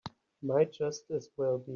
Might just as well be.